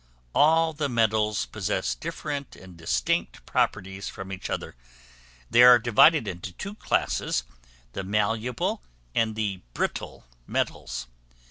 All the metals possess different and distinct properties from each other. They are divided into two classes, the malleable and the brittle metals.